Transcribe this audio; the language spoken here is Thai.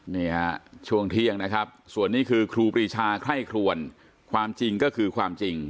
นี่ฮะช่วงเที่ยงนะครับส่วนนี้คือครูปรีชาไคร่ครวนความจริงก็คือความจริง